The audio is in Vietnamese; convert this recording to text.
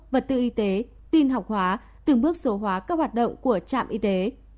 vật tư y tế tin học hóa từng bước số hóa các hoạt động của trạm y tế